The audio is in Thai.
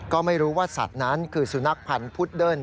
ก็ไม่รู้ว่าสัตว์นั้นคือสุนัขพันธ์พุดเดิ้ล